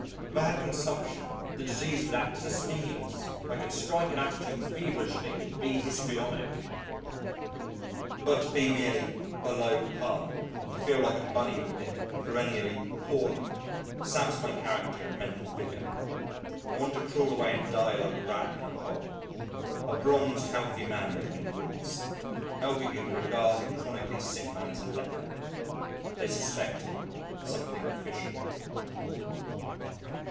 If I had consumption, the disease would act as a stimulus I could strike an attitude feverishly and be histrionic. But to be merely "below par" to feel like a Bunny rabbit perennially "poorly," saps my character and mental vigour. I want to crawl away and die like a rat in a hole. A bronzed healthy man makes me wince. Healthy people regard a chronic sickly man as a leper. They suspect him, something fishy.